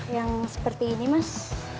yang seperti ini mas